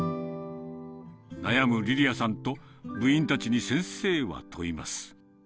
悩むりりあさんと、部員たちに先生は問います。